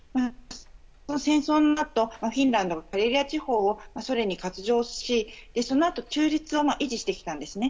この戦争のあとフィンランドの地方をソ連に割譲しそのあと、中立は維持してきたんですね。